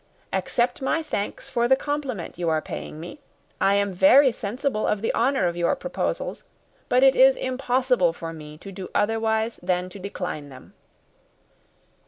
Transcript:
Accept my thanks for the compliment you are paying me. I am very sensible of the honour of your proposals, but it is impossible for me to do otherwise than decline them."